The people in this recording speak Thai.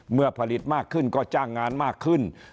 เมื่อผลิตมากขึ้นก็จ้างงานมากขึ้น